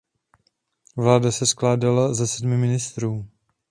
Vláda se skládala ze sedmi ministrů.